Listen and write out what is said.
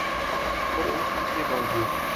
اور اونچ نیچ کے باوجود